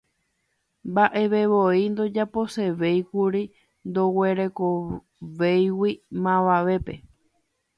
Mba'evevoi ndojaposevéikuri ndoguerekovéigui mavavépe.